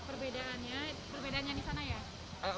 perbedaannya perbedaannya yang disana ya